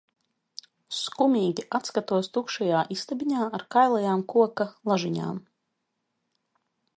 Skumīgi atskatos tukšajā istabiņā ar kailajām koka lažiņām.